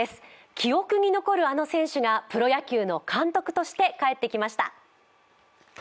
記憶に残るあの選手がプロ野球の監督として帰ってきました。